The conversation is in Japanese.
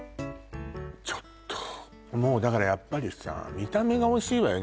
ちょっともうだからやっぱりさ見た目がおいしいわよね